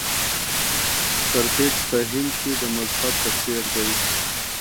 کرکټ په هند کې د مذهب په څیر دی.